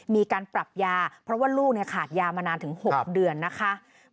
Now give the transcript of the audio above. มีการปรับยาเพราะว่าลูกขาดยามานานถึง๖เดือนนะคะ